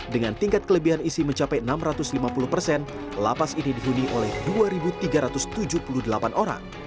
dengan tingkat kelebihan isi mencapai enam ratus lima puluh persen lapas ini dihuni oleh dua tiga ratus tujuh puluh delapan orang